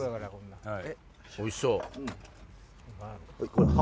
おいしそう。